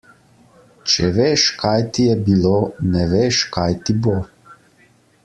Če veš, kaj ti je bilo, ne veš, kaj ti bo.